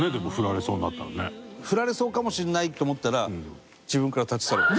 フラれそうかもしれないって思ったら自分から立ち去る。